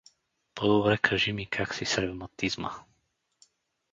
По-добре кажи ми как си с ревматизма.